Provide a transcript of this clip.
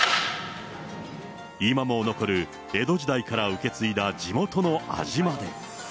今も残る、江戸時代から受け継いだ地元の味まで。